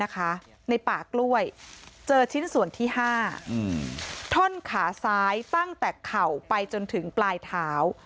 ในป่ากล้วยเจอชิ้นส่วนที่๕ท่อนขาซ้ายตั้งแต่เข่าไปจนถึงปลายเท้า